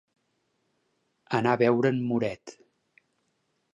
Anar a veure en Moret.